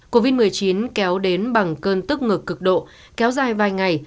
covid một mươi chín kéo đến bằng cơn tức ngực cực độ kéo dài vài ngày